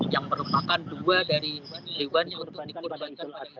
yang merupakan dua dari hewan yang diperdagangkan